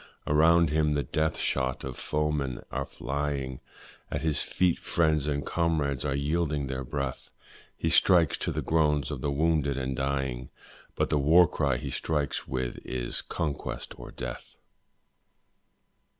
Around him the death shot of foemen are flying, At his feet friends and comrades are yielding their breath; He strikes to the groans of the wounded and dying, But the war cry he strikes with is, 'conquest or death!'